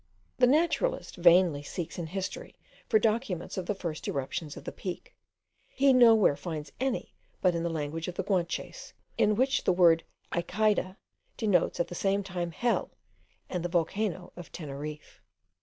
The naturalist vainly seeks in history for documents of the first eruptions of the Peak; he nowhere finds any but in the language of the Guanches, in which the word Echeyde denotes, at the same time, hell and the volcano of Teneriffe.